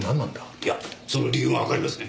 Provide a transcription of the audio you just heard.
いやその理由がわかりません。